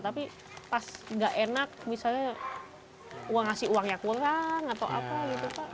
tapi pas gak enak misalnya ngasih uang yang kurang atau apa gitu pak